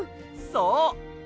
そう！